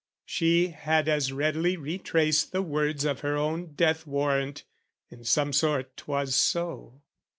She had as readily re traced the words Of her own death warrant, in some sort 'twas so.